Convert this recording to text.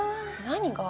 何が？